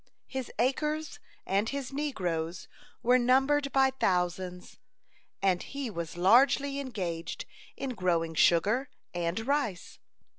His acres and his negroes were numbered by thousands, and he was largely engaged in growing sugar and rice.